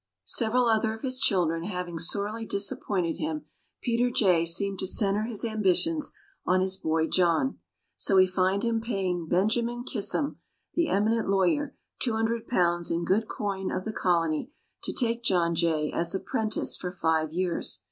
Several other of his children having sorely disappointed him, Peter Jay seemed to center his ambitions on his boy John. So we find him paying Benjamin Kissam, the eminent lawyer, two hundred pounds in good coin of the Colony to take John Jay as a 'prentice for five years.